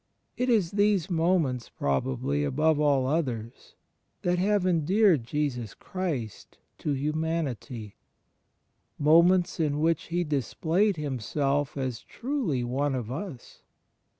It is these moments, probably, above all others, that have endeared Jesus Christ to himianity — moments in which He displayed Himself as truly one of us.